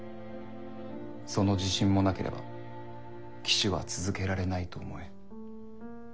その自信もなければ騎手は続けられないと思え。